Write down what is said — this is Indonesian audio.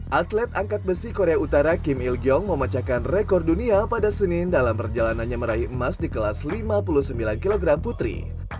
atlet angkat besi korea utara kim ilkyong memecahkan rekor dunia pada senin dalam perjalanannya meraih emas di kelas lima puluh sembilan kg putri